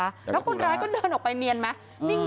แล้วคนร้ายก็เดินออกไปเนียนไหม